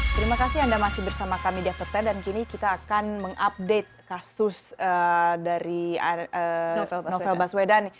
terima kasih anda masih bersama kami di after sepuluh dan kini kita akan mengupdate kasus dari novel baswedan